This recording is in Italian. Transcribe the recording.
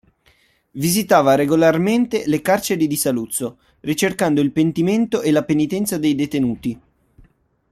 Visitava regolarmente le carceri di Saluzzo, ricercando il pentimento e la penitenza dei detenuti.